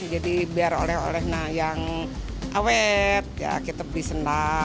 jadi biar oleh oleh yang awet kita beli sendal